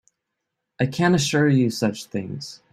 I can't assure you such things.